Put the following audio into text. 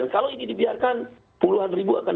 kalau ini dibiarkan puluhan ribu akan